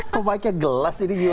kok mic nya gelas ini gw